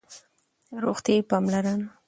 روغتیایی پاملرنه